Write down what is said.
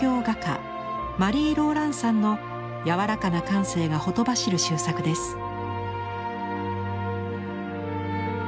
画家マリー・ローランサンの柔らかな感性がほとばしる秀作です。